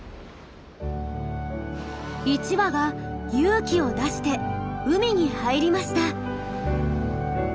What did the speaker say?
１羽が勇気を出して海に入りました。